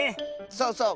そうそう。